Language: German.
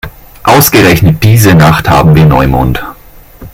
Ausgerechnet diese Nacht haben wir Neumond.